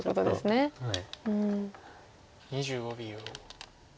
２５秒。